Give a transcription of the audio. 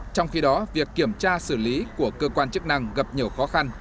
trong khi đó việc kiểm tra xử lý của cơ quan chức năng gặp nhiều khó khăn